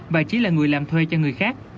và chỉ là người làm thuê cho người khác